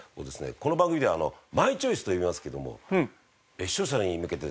この番組ではマイチョイスと呼びますけども視聴者に向けてですね